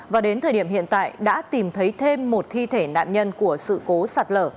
và đến thời điểm hiện tại đã tìm thấy thêm một thi thể nạn nhân của sự cố sạt lở